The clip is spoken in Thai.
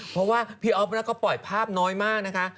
เพราะว่าพี่อ๊อฟก็ปล่อยภาพน้อยมากนะคะ